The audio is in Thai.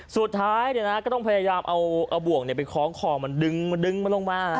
สุดท้ายเนี่ยนะก็ต้องพยายามเอาอ่ะบวกเนี่ยไปคล้องคอมันดึงมาดึงมาลงมานะ